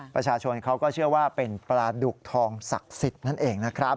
ประชาชนเขาก็เชื่อว่าเป็นปลาดุกทองศักดิ์สิทธิ์นั่นเองนะครับ